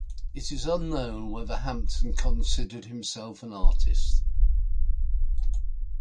It is unknown whether Hampton considered himself an artist.